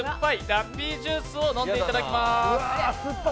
ラッピージュースを飲んでいただきます。